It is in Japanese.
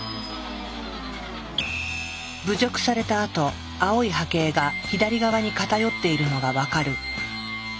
侮辱されたあと青い波形が左側に偏っているのが分かる。